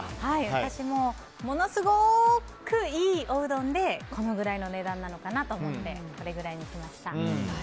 私もものすごくいいおうどんでこのぐらいの値段なのかなと思って、このぐらいにしました。